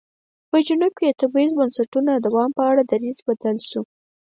په جنوب کې د تبعیض بنسټونو د دوام په اړه دریځ بدل شو.